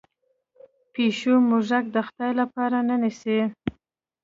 پیشو موږک د خدای لپاره نه نیسي.